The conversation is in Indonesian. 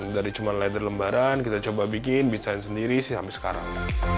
dari cuman leather lembaran kita coba bikin bisnis sendiri sampai sekarang